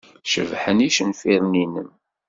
Cebḥen yicenfiren-nnem.